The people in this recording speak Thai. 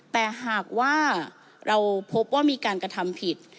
แต่หากว่าเราพบว่ามีการกระทำผิด